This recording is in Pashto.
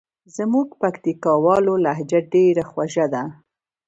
زموږ پکتیکاوالو لهجه ډېره خوژه ده.